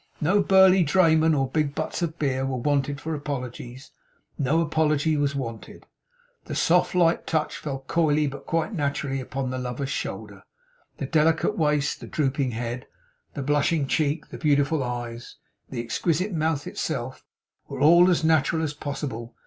No burly drayman or big butts of beer, were wanted for apologies. No apology at all was wanted. The soft light touch fell coyly, but quite naturally, upon the lover's shoulder; the delicate waist, the drooping head, the blushing cheek, the beautiful eyes, the exquisite mouth itself, were all as natural as possible.